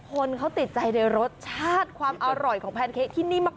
คนเขาติดใจในรสชาติความอร่อยของแพนเค้กที่นี่มาก